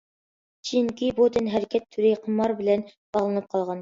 چۈنكى بۇ تەنھەرىكەت تۈرى قىمار بىلەن باغلىنىپ قالغان.